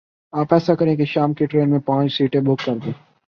آپ ایسا کریں کے شام کی ٹرین میں پانچھ سیٹیں بک کر دیں۔